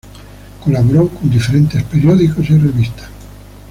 Colaboró con diferentes periódicos y revistas.